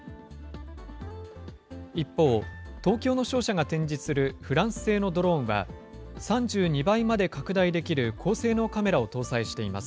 一方、東京の商社が展示するフランス製のドローンは、３２倍まで拡大できる高性能カメラを搭載しています。